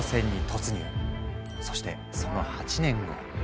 そしてその８年後。